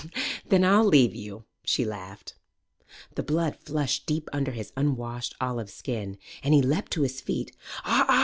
"Then I'll leave you," she laughed. The blood flushed deep under his unwashed olive skin, and he leaped to his feet.